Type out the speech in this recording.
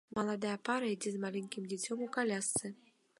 Маладая пара ідзе з маленькім дзіцём у калясцы.